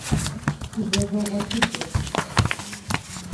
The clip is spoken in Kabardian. Гузэвэгъуэ дыдэт…